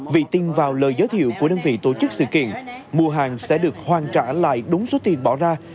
vị tin vào lời giới thiệu của đơn vị tổ chức sự kiện mua hàng sẽ được hoàn trả lại đúng số tiền bỏ ra